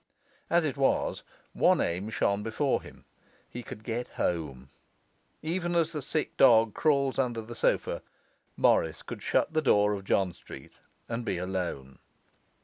As it was, one aim shone before him: he could get home. Even as the sick dog crawls under the sofa, Morris could shut the door of John Street and be alone.